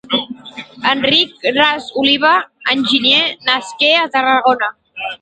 Enric Ras Oliva, enginyer, nasqué a Tarragona